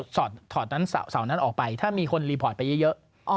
ถอดนั้นเสานั้นออกไปถ้ามีคนรีพอร์ตไปเยอะ